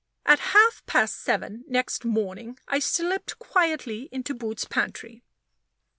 At half past seven next morning, I slipped quietly into Boots's pantry.